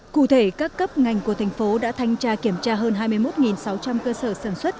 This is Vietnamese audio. cụ thể các cấp ngành của thành phố đã thanh tra kiểm tra hơn hai mươi một sáu trăm linh cơ sở sản xuất